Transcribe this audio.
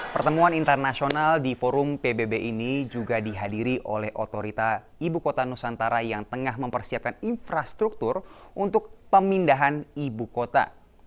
pertemuan internasional di forum pbb ini juga dihadiri oleh otorita ibu kota nusantara yang tengah mempersiapkan infrastruktur untuk pemindahan ibu kota